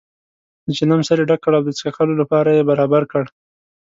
د چلم سر یې ډک کړ او د څکلو لپاره یې برابر کړ.